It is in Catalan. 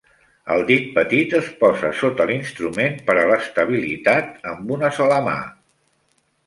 El dit petit es posa sota l'instrument per a l'estabilitat "amb una sola mà".